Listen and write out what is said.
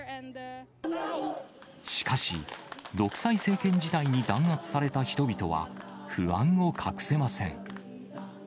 しかし、独裁政権時代に弾圧された人々は、不安を隠せません。